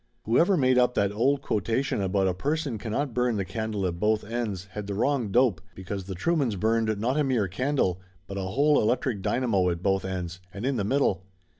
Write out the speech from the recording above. Whoever made up that old quotation about a person cannot burn the candle at both ends had the wrong dope because the Truemans burned not a mere candle but a whole electric dynamo at both ends, and in the middle.